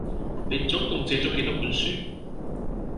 你總共借咗幾多本書？